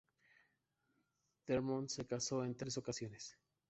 Dearborn se casó en tres ocasiones.